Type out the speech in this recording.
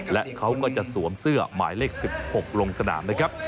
และเขาก็จะสวมเสื้อหมายเลข๑๖ลงสนามนะครับ